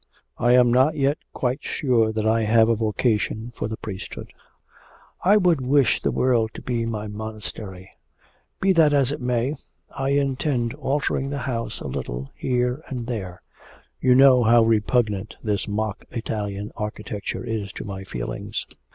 I am not yet quite sure that I have a vocation for the priesthood. I would wish the world to be my monastery. Be that as it may, I intend altering the house a little here and there; you know how repugnant this mock Italian architecture is to my feelings.